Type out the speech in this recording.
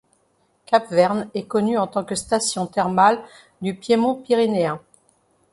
Capvern est connue en tant que station thermale du piémont pyrénéen.